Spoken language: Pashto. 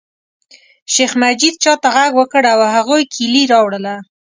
شیخ مجید چاته غږ وکړ او هغوی کیلي راوړله.